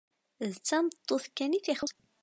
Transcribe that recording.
D tameṭṭut kan i t-ixuṣṣen.